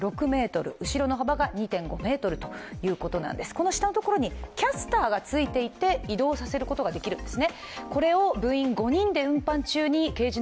この下のところにキャスターがついていて移動させることができます。